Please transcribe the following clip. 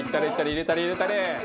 入れたれ入れたれ！